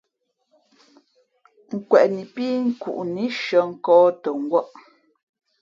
Kweꞌni pí nkuʼnǐ shʉᾱ nkᾱᾱ tα ngwᾱʼ.